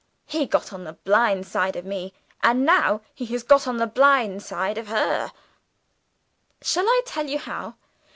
He got on the blind side of me; and now he has got on the blind side of her. Shall I tell you how?